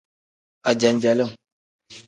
Ajenjelim.